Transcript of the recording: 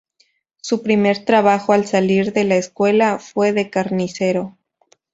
Su primer trabajo al salir de la escuela fue de carnicero.